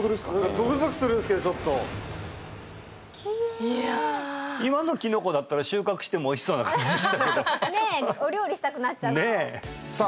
ゾクゾクするんですけどちょっと今のキノコだったら収穫してもおいしそうな感じでしたけどねえお料理したくなっちゃったさあ